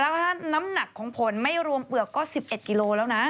แล้วถ้าน้ำหนักของผลไม่รวมเปลือกก็๑๑กิโลแล้วนะ